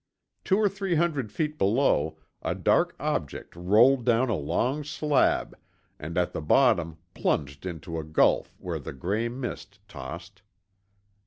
Two or three hundred feet below a dark object rolled down a long slab and at the bottom plunged into a gulf where the gray mist tossed.